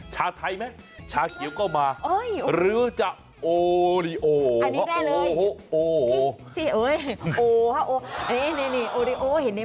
ชาไทยไหมชาเขียวก็มาหรือจะโอริโอโอโหโอโหโอริโอเห็นในภาพนี้